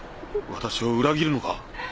私を裏切るのか？